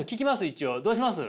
一応。どうします？